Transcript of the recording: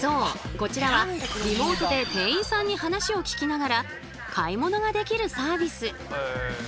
こちらはリモートで店員さんに話を聞きながら買い物ができるサービス。